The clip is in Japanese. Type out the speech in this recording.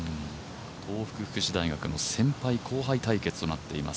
東北福祉大学の先輩後輩対決となっています。